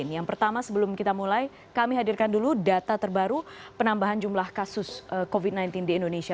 yang pertama sebelum kita mulai kami hadirkan dulu data terbaru penambahan jumlah kasus covid sembilan belas di indonesia